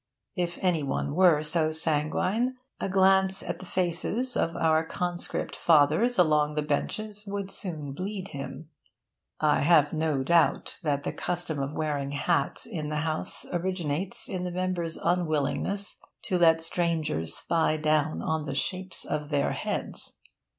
If any one were so sanguine, a glance at the faces of our Conscript Fathers along the benches would soon bleed him. (I have no doubt that the custom of wearing hats in the House originated in the members' unwillingness to let strangers spy down on the shapes of their heads.)